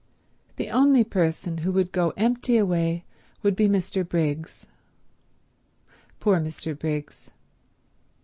The only person who would go empty away would be Mr. Briggs. Poor Mr. Briggs.